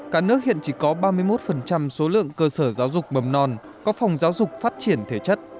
cả nước hiện chỉ có ba mươi một số lượng cơ sở giáo dục mầm non có phòng giáo dục phát triển thể chất